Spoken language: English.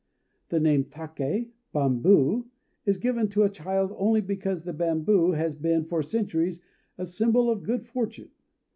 The name Také (Bamboo) is given to a child only because the bamboo has been for centuries a symbol of good fortune.